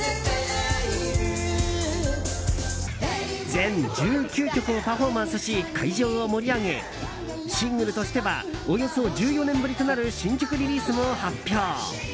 全１９曲をパフォーマンスし会場を盛り上げシングルとしてはおよそ１４年ぶりとなる新曲リリースも発表。